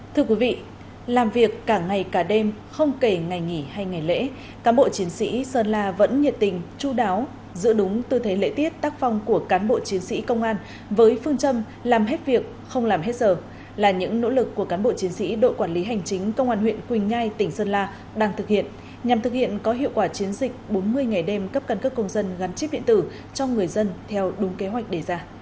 thưa quý vị làm việc cả ngày cả đêm không kể ngày nghỉ hay ngày lễ cán bộ chiến sĩ sơn la vẫn nhiệt tình chú đáo giữ đúng tư thế lễ tiết tác phong của cán bộ chiến sĩ công an với phương châm làm hết việc không làm hết giờ là những nỗ lực của cán bộ chiến sĩ đội quản lý hành chính công an huyện quỳnh ngai tỉnh sơn la đang thực hiện nhằm thực hiện có hiệu quả chiến dịch bốn mươi ngày đêm cấp cân cấp công dân gắn chip điện tử cho người dân theo đúng kế hoạch đề ra